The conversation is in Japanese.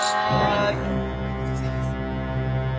ありがとうございます。